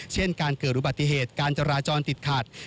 เช่นการเกิดอุบัติเหตุการจราจรติดขัด